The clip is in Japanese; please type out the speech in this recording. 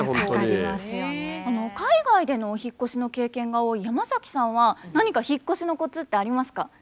海外でのお引っ越しの経験が多いヤマザキさんは何か引っ越しのコツってありますか？